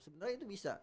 sebenarnya itu bisa